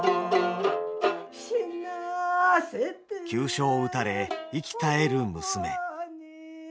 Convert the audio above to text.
死なせて急所を打たれ息絶える娘。